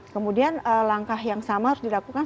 kemudian langkah yang sama harus dilakukan